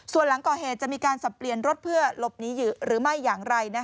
ส่วนหลังก่อเหตุจะมีการสับเปลี่ยนรถเพื่อหลบหนีหรือไม่อย่างไร